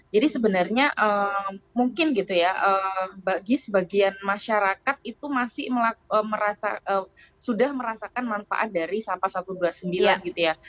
jadi sebenarnya mungkin gitu ya bagi sebagian masyarakat itu masih sudah merasakan manfaat dari sapa satu ratus dua puluh sembilan gitu ya